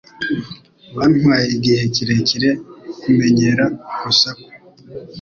Byantwaye igihe kirekire kumenyera urusaku.